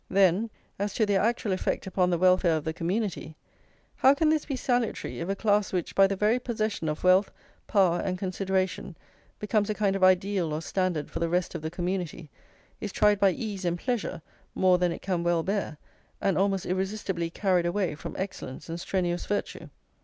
Then, as to their actual effect upon the welfare of the community, how can this be salutary, if a class which, by the very possession of wealth, power and consideration, becomes a kind of ideal or standard for the rest of the community, is tried by ease and pleasure more than it can well bear, and almost irresistibly carried away from excellence and strenuous virtue?